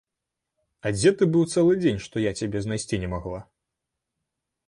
А дзе ты быў цэлы дзень, што я цябе знайсці не магла?